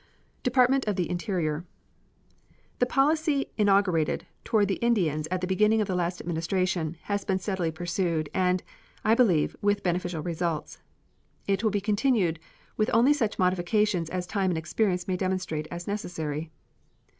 DEPARTMENT OF THE INTERIOR. The policy inaugurated toward the Indians at the beginning of the last Administration has been steadily pursued, and, I believe, with beneficial results. It will be continued with only such modifications as time and experience may demonstrate as necessary.